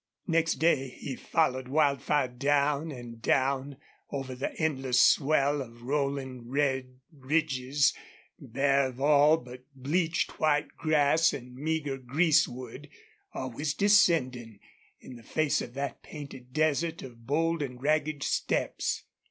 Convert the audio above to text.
Next day he followed Wildfire down and down, over the endless swell of rolling red ridges, bare of all but bleached white grass and meager greasewood, always descending in the face of that painted desert of bold and ragged steps.